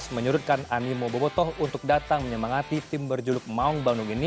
menyurutkan animo bobotoh untuk datang menyemangati tim berjuluk maung bandung ini